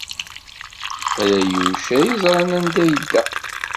Ala Yuc ay yeẓran anda ay yedda.